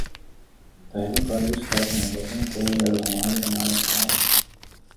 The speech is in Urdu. طاہر القادری صاحب نے لوگوں کو یرغمال بنا رکھا ہے۔